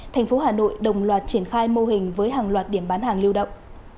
thành phố hà nội đồng loạt triển khai mô hình với hàng loạt điểm bán hàng lưu động